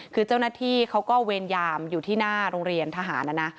คือเจ้าหน้าที่เขาก็เวรยามอยู่ที่หน้าโรงเรียนทหารนะนะ